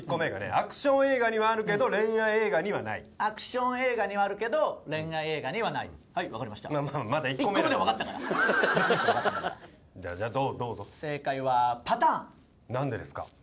「アクション映画にはあるけど恋愛映画にはない」「アクション映画にはあるけど恋愛映画にはない」はい分かりました１個目で分かったからじゃどうぞ正解はパターン何でですか？